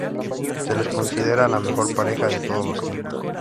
Se los considera la mejor pareja de todos los tiempos.